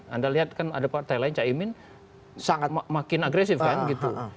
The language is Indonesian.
anda lihat kan ada partai lain caimin makin agresif kan gitu